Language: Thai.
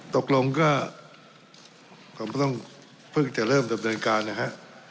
ตกลงก็คงต้องเพิ่งจะเริ่มดำเนินการนะฮะ